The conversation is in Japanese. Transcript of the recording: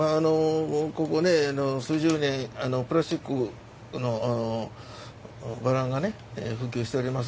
ここ数十年プラスチックのバランが普及しております。